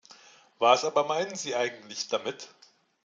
Was aber meinen sie eigentlich damit?